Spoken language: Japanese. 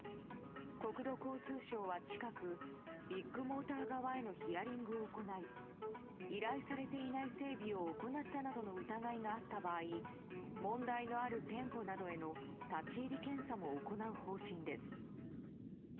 国土交通省は、近くビッグモーター側へのヒアリングを行い依頼されていない整備を行ったなどの疑いがあった場合問題のある店舗などへの立ち入り検査も行う方針です。